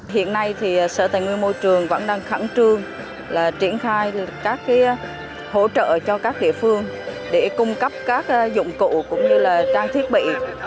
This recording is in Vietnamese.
hiện nay thì sở tài nguyên môi trường vẫn đang khẳng trương triển khai các hỗ trợ cho các địa phương để cung cấp các dụng cụ cũng như trang thiết bị